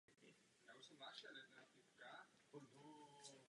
V současnosti již není používáno.